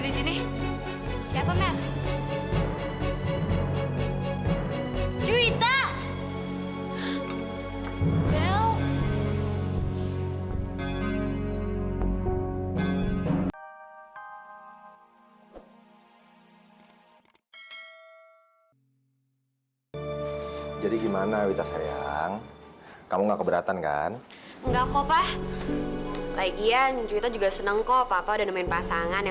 sampai jumpa di video selanjutnya